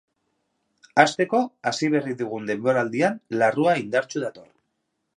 Hasteko, hasi berri dugun denboraldian larrua indartsu dator.